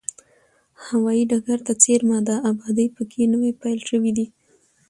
هوایي ډګر ته څېرمه ده، ابادي په کې نوې پیل شوې ده.